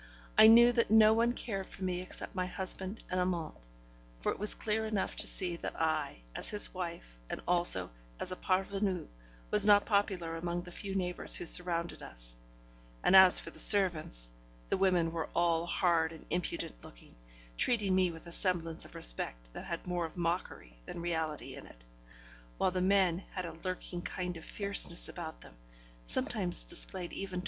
I knew that no one cared for me except my husband and Amante; for it was clear enough to see that I, as his wife, and also as a parvenue, was not popular among the few neighbours who surrounded us; and as for the servants; the women were all hard and impudent looking, treating me with a semblance of respect that had more of mockery than reality in it; while the men had a lurking kind of fierceness about them, sometimes displayed even to M.